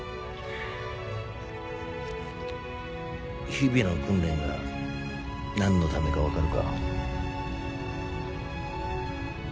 日々の訓練が何のためか分かるか？